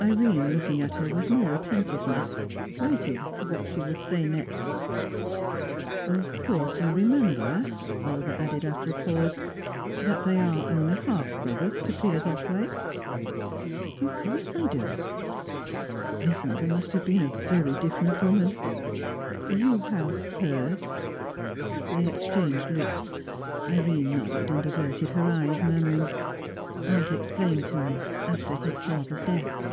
Irene, looking at her with more attentiveness, waited for what she would next say. "Of course you remember," Olga added, after a pause, "that they are only half brothers to Piers Otway?" "Of course I do." "His mother must have been a very different woman. You have heard ?" They exchanged looks. Irene nodded, and averted her eyes, murmuring, "Aunt explained to me, after his father's death."